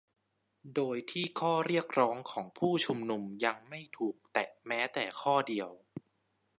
โดยที่ข้อเรียกร้องของผู้ชุมนุมยังไม่ถูกแตะแม้แต่ข้อเดียว